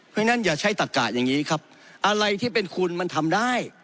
เพราะฉะนั้นอย่าใช้ตะกะอย่างนี้ครับอะไรที่เป็นคุณมันทำได้